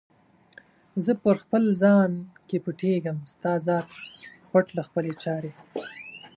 زه په خپل ځان کې پټیږم، ستا ذات پټ له خپلي چارې